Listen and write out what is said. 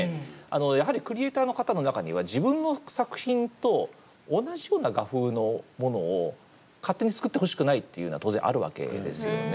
やはりクリエーターの方の中には自分の作品と同じような画風のものを勝手に作ってほしくないというのは当然あるわけですよね。